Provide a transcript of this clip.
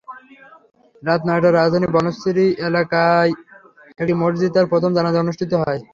রাত নয়টায় রাজধানীর বনশ্রী এলাকার একটি মসজিদে তাঁর প্রথম জানাজা অনুষ্ঠিত হয়।